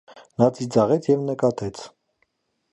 Նա ծիծաղեց և նկատեց.